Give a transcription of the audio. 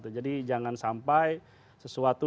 jadi jangan sampai sesuatu